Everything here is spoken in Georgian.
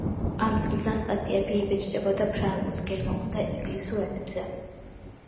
ამ წლიდან სტატიები იბეჭდებოდა ფრანგულ, გერმანულ და ინგლისურ ენებზე.